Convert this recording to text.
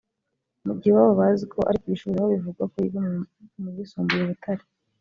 mu gihe iwabo bazi ko ari ku ishuri aho bivugwa ko yiga mu yisumbuye i Butare